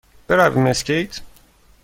برویم اسکیت؟